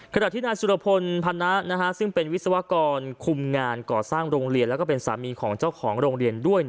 ขณะที่นายสุรพลพันนะซึ่งเป็นวิศวกรคุมงานก่อสร้างโรงเรียนแล้วก็เป็นสามีของเจ้าของโรงเรียนด้วย